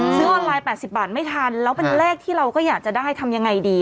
ซื้อออนไลน์๘๐บาทไม่ทันแล้วเป็นเลขที่เราก็อยากจะได้ทำยังไงดี